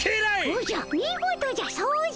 おじゃ見事じゃ掃除や。